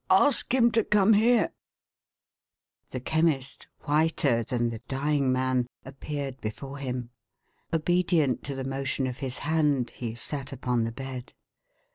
Ask him to come here/"1 The Chemist, whiter than the dying man, appeared before him. Obedient to the motion of his hand, he sat upon the bed.